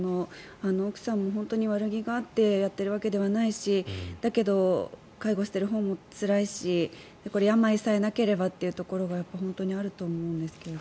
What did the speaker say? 奥さんも悪気があってやってるわけではないしだけど介護しているほうもつらいし病さえなければというところが本当にあると思うんですが。